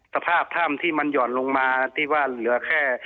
สภาพถ้ำที่มันหย่อนลงมาที่ว่าเหลือแค่